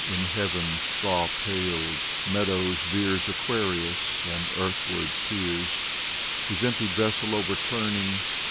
In heaven's straw pale meadows veers Aquarius, and earthward peers, His emptied vessel overturning.